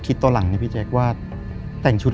คือก่อนอื่นพี่แจ็คผมได้ตั้งชื่อ